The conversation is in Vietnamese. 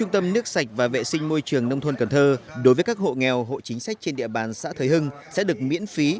tâm nước sạch và vệ sinh môi trường nông thôn cần thơ đối với các hộ nghèo hộ chính sách trên địa bàn xã thới hưng sẽ được miễn phí